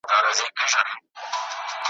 تور وېښته می سپین په انتظار کړله `